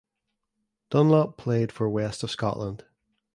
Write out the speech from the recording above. Dunlop played for West of Scotland.